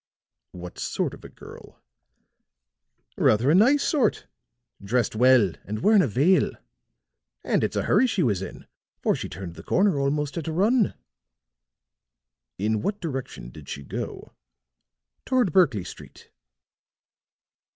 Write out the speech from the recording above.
"What sort of a girl?" "Rather a nice sort dressed well and wearing a veil. And it's a hurry she was in, for she turned the corner almost at a run." "In what direction did she go?" "Toward Berkley Street."